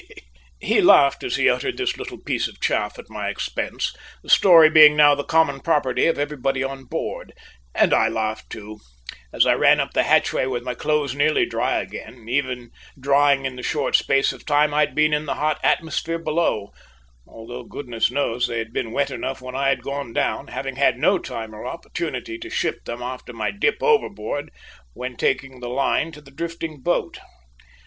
'" He laughed as he uttered this little piece of chaff at my expense, the story being now the common property of everybody on board, and I laughed, too, as I ran up the hatchway with my clothes nearly dry again, even drying in the short space of time I had been in the hot atmosphere below, although, goodness knows, they had been wet enough when I had gone down, having had no time or opportunity to shift them after my dip overboard when taking the line to the drifting boat.